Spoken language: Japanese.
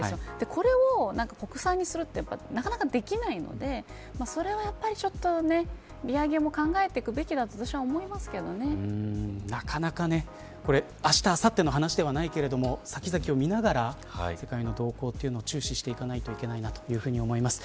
これを国産にするのはなかなかできないのでそれはちょっと利上げも考えていくべきだとあしたあさっての話ではないけれども先々を見ながら世界の動向を注視していかないといけないと思います。